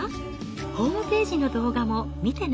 ホームページの動画も見てね。